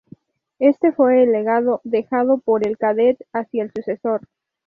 Este fue el legado dejado por el Kadett hacia su sucesor.